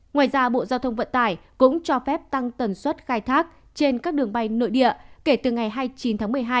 ngoài ra bộ giao thông vận tải cũng cho phép tăng tần suất khai thác trên các đường bay nội địa kể từ ngày hai mươi chín tháng một mươi hai